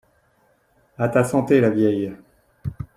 A ta santé, la vieille